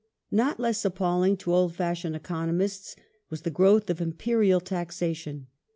Not less appalling to old fashioned economists was the gi'owth of Imperial taxation.